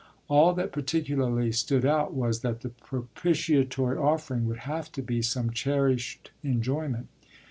All that particularly stood out was that the propitiatory offering would have to be some cherished enjoyment.